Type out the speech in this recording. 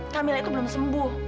kamila itu belum sembuh